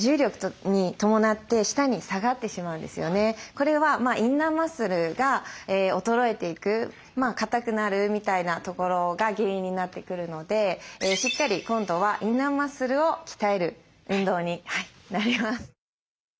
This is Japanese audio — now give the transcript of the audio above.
これはインナーマッスルが衰えていく硬くなるみたいなところが原因になってくるのでしっかり今度はインナーマッスルを鍛える運動になります。